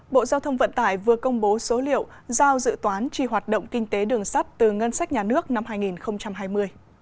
bộ giao thông vận tải vừa công bố số liệu giao dự toán chi hoạt động kinh tế đường sắt từ ngân sách nhà nước năm hai nghìn hai mươi